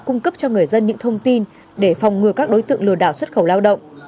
cung cấp cho người dân những thông tin để phòng ngừa các đối tượng lừa đảo xuất khẩu lao động